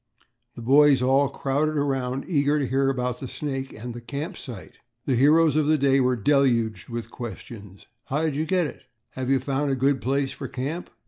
The boys all crowded around, eager to hear about the snake and camp site. The heroes of the day were deluged with questions. "How did you get it?" "Have you found a good place for camp?"